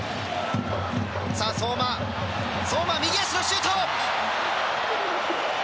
相馬、右足のシュート。